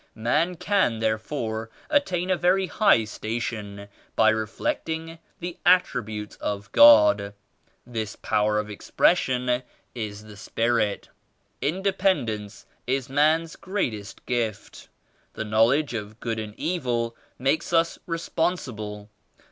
Man can therefore attain a very high station by reflecting the attributes of God. This power of expression is the Spirit." "Independence is man's greatest gift. The knowledge of good and evil makes us respon sible.